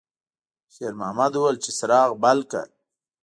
شېرمحمد وویل چې څراغ بل کړه.